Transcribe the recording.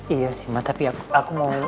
iya sih tapi aku mau